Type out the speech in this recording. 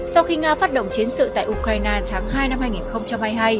sau khi nga phát động chiến sự tại ukraine tháng hai năm hai nghìn hai mươi hai